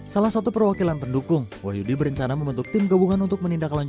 salah satu perwakilan pendukung wahyudi berencana membentuk tim gabungan untuk menindaklanjuti